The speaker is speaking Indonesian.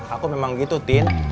aku memang gitu tin